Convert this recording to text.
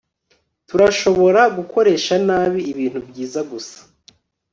Turashobora gukoresha nabi ibintu byiza gusa